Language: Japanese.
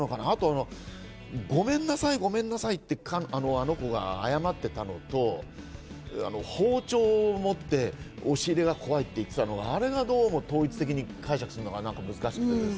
あとは、ごめんなさいごめんなさいって、あの子が謝っていたのと、包丁を持って押し入れは怖いって言ってたのをどう統一的に解釈するのかと思って。